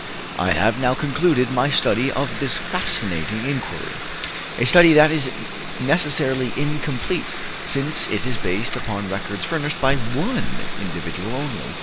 I have now concluded my study of this fascinating inquiry; a study that is necessarily incomplete, since it is based upon records furnished by one individual only.